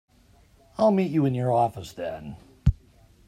I'll meet you in your office then.